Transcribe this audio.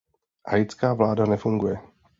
Haitská vláda nefunguje.